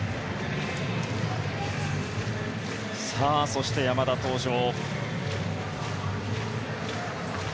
そして山田、登場。